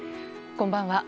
こんばんは。